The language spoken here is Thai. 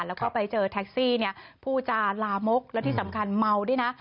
แล้วก็ไปเจอแท็กซี่เนี่ยผู้จาลามกแล้วที่สำคัญเมาด้วยนะ